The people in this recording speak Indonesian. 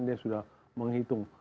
dia sudah menghitung